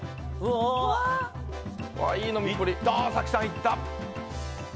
早紀さん、いった！